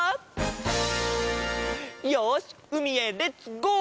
よしうみへレッツゴー！